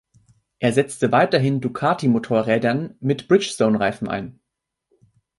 Es setzte weiterhin Ducati-Motorrädern mit Bridgestone-Reifen ein.